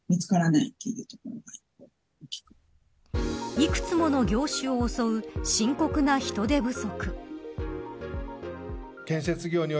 幾つもの業種を襲う深刻な人手不足。